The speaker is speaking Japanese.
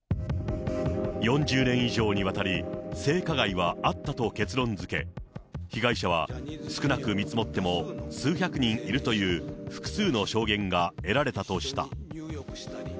４０年以上にわたり、性加害はあったと結論づけ、被害者は少なく見積もっても数百人いるという、複数の証言が得られたとした。